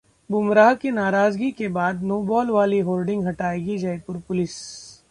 बुमराह की नाराजगी के बाद 'नो बॉल' वाली होर्डिंग हटाएगी जयपुर पुलिस